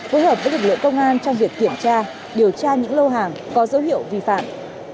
phối hợp với lực lượng công an trong việc kiểm tra điều tra những lô hàng có dấu hiệu vi phạm